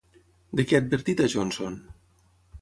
De què ha advertit a Johnson?